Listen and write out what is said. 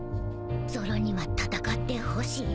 ゾロには戦ってほしい。